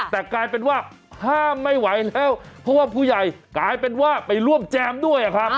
แต่กลายเป็นว่าห้ามไม่ไหวแล้วเพราะว่าผู้ใหญ่กลายเป็นว่าไปร่วมแจมด้วยครับ